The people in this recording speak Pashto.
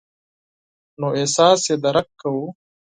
نو احساس یې درک کوو.